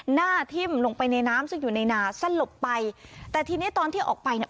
หน้าทิ่มลงไปในน้ำซึ่งอยู่ในนาสลบไปแต่ทีนี้ตอนที่ออกไปเนี่ย